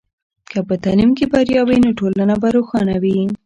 که په تعلیم کې بریا وي، نو ټولنه به روښانه وي.